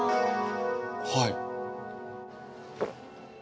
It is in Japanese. はい。